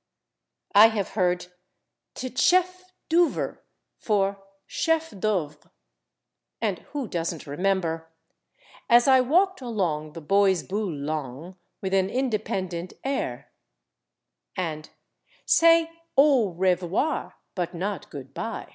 I have heard /tchef doover/ for /chef d'œuvre/. And who doesn't remember As I walked along the /Boys Boo long/ With an independent air and [Pg241] Say /aw re vore/, But not good by!